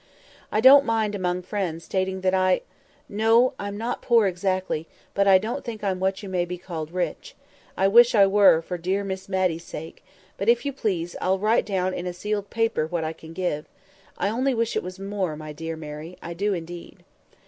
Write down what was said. "I don't mind, among friends, stating that I—no! I'm not poor exactly, but I don't think I'm what you may call rich; I wish I were, for dear Miss Matty's sake—but, if you please, I'll write down in a sealed paper what I can give. I only wish it was more; my dear Mary, I do indeed."